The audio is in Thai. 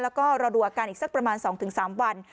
แล้วก็รอดูอาการอีกสักประมาณ๒๓วัน